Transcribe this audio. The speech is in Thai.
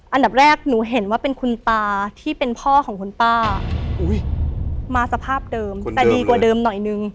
อันดับแรกหนูเห็นว่าเป็นคุณตาที่เป็นพ่อของคุณป้ามาสภาพเดิมแต่ดีกว่าเดิมหน่อยนึง